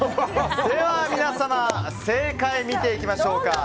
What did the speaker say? では、皆様正解を見ていきましょうか。